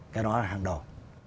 cái đó là hàng đầu